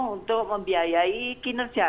untuk membiayai kinerja